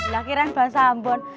lah kirain bahasa ambon